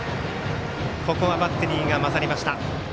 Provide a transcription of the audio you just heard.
ここはバッテリーが勝りました。